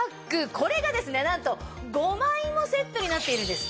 これがなんと５枚もセットになっているんです。